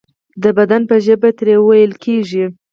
د بدن په ژبې ترې ویل کیږي.